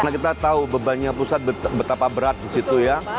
karena kita tahu bebannya pusat betapa berat di situ ya